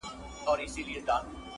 o چي د ژوند پیکه رنګونه زرغونه سي,